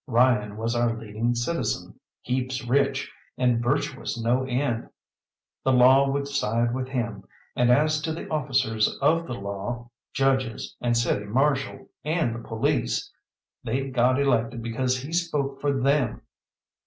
Ryan was our leading citizen, heaps rich, and virtuous no end. The Law would side with him, and as to the officers of the law, judges, and City Marshal, and the police they'd got elected because he spoke for them.